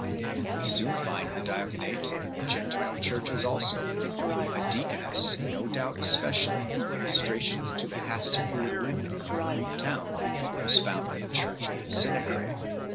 We soon find the diaconate in the Gentile churches also 3 ; a dea coness, no doubt especially for ministrations to the half secluded women of a Greek town, was found in the church at Cenchrese 4